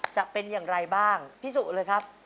จะเป็นอย่างไรบ้างพี่สุเลยครับ